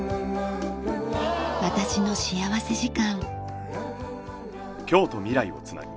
『私の幸福時間』。